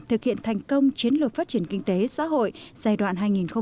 thực hiện thành công chiến lược phát triển kinh tế xã hội giai đoạn hai nghìn một mươi một hai nghìn ba mươi